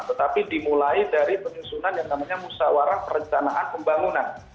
tetapi dimulai dari penyusunan yang namanya musawarah perencanaan pembangunan